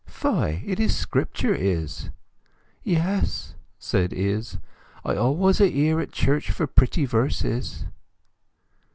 "Fie—it is Scripture, Izz!" "Yes," said Izz, "I've always a' ear at church for pretty verses."